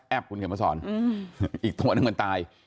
หลงแอบก็จะมาสอนอีกตัวนึงมันตาย